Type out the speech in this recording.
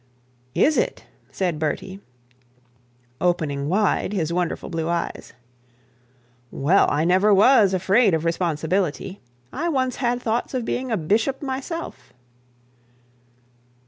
'Is it?' said Bertie, opening wide his wonderful blue eyes. 'Well; I never was afraid of responsibility. I once thought of being a bishop myself.'